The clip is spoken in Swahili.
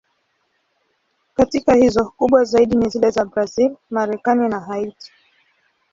Katika hizo, kubwa zaidi ni zile za Brazil, Marekani na Haiti.